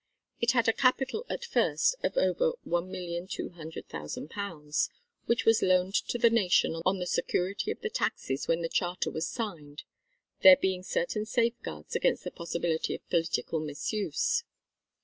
It had a capital at first of over £1,200,000, which was loaned to the nation on the security of the taxes when the Charter was signed, there being certain safeguards against the possibility of political misuse.